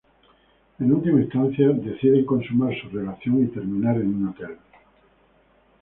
En última instancia, deciden consumar su relación y terminan en un hotel.